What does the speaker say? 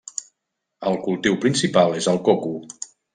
El cultiu principal és el coco.